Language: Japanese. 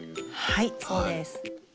はいそうです。